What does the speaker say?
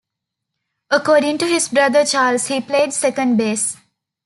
According to his brother Charles, he played second base.